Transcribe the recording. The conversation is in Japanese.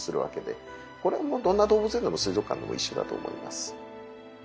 これはもうどんな動物園でも水族館でも一緒だと思います。